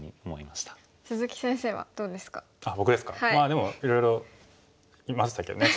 まあでもいろいろいましたけどね。